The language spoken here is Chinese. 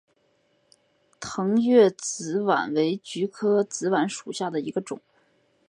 腾越紫菀为菊科紫菀属下的一个种。